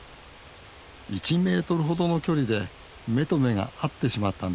１メートルほどの距離で目と目が合ってしまったんです。